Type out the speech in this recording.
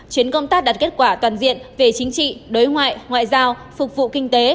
chuyến công tác đạt kết quả toàn diện về chính trị đối ngoại ngoại giao phục vụ kinh tế